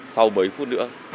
sau mấy phút nữa